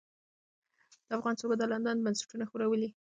د افغانانو سوبه د لندن بنسټونه ښورولې.